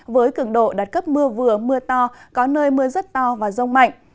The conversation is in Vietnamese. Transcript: với cường độ đạt cấp mưa vừa mưa to có nơi mưa rất to và rông mạnh